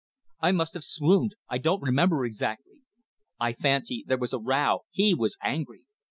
I must have swooned; I don't remember exactly. I fancy there was a row; he was angry.